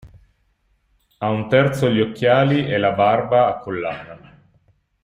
A un terzo gli occhiali e la barba a collana.